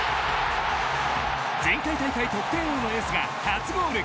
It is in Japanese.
前回大会得点王のエースが初ゴール。